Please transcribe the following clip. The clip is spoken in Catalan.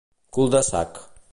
Cul de sac